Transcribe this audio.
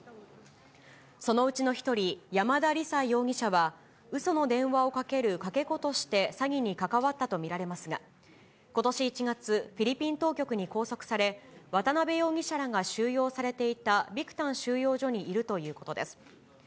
そのうちの１人、山田李沙容疑者は、うその電話をかけるかけ子として詐欺に関わったと見られますが、ことし１月、フィリピン当局に拘束され、渡辺容疑者らが収容されていたビクタン収容所にいるということです。